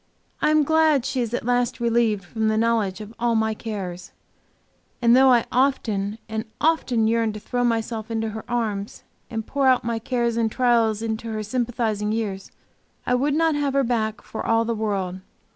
I am glad she is at last relieved from the knowledge of all my cares, and though I often and often yearn to throw myself into her arms and pour out my cares and trials into her sympathizing ears, I would not have her back for all the world.